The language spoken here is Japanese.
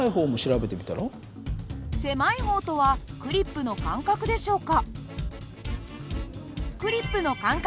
狭い方とはクリップの間隔でしょうか？